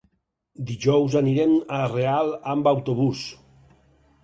Dijous anirem a Real amb autobús.